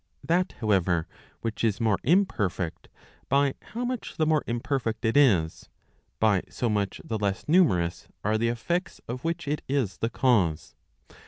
That, however, which is more imperfect, by how much the more imperfect it is, by so much the less numerous are the effects of which it is the cause.